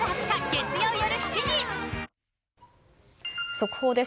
速報です。